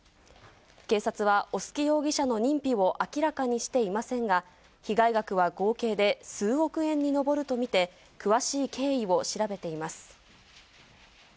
警察は小薄容疑者の認否を明らかにしていませんが、被害額は合計で数億円に上ると見て、詳しい経緯を調べています。